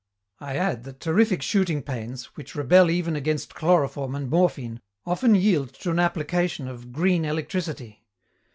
"I add that terrific shooting pains, which rebel even against chloroform and morphine, often yield to an application of 'green electricity.'